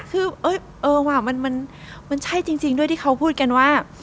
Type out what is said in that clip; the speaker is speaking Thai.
คือเออเหรอว่ามันใช่จริงด้วยที่พูดกันว่า